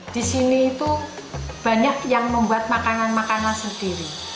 di sini itu banyak yang membuat makanan makanan sendiri